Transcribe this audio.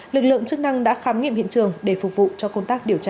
lực lượng chức năng đã khám nghiệm hiện trường để phục vụ cho công tác điều tra